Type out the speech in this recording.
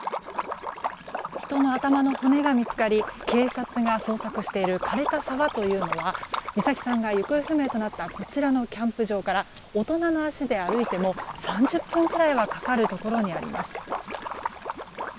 人の頭の骨が見つかり警察が捜索している枯れた沢というのは美咲さんが行方不明となったこちらのキャンプ場から大人の足で歩いても３０分くらいはかかるところにあります。